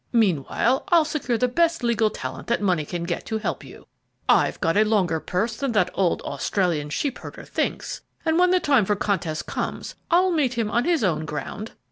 Meanwhile, I'll secure the best legal talent that money can get to help you. I've a longer purse than that old Australian sheep herder thinks, and when the time for contest comes, I'll meet him on his own ground."